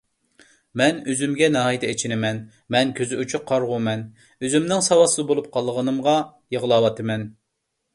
مەن ئۆزۈمگە ناھايىتى ئېچىنىمەن. مەن كۆزى ئوچۇق قارىغۇمەن، ئۆزۈمنىڭ ساۋاتسىز بولۇپ قالغىنىمغا يىغلاۋاتىمەن.